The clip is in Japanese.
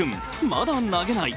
まだ投げない。